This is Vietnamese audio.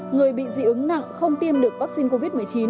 người bị dị ứng nặng không tiêm được vaccine covid một mươi chín